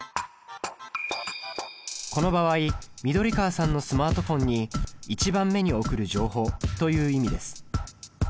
この場合緑川さんのスマートフォンに１番目に送る情報という意味です。